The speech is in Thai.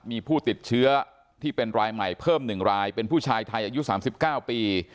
มีผู้ติดเชื้อที่เป็นรายใหม่เพิ่ม๑รายเป็นผู้ชายไทยอายุ๓๙ปี